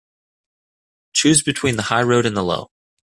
Choose between the high road and the low.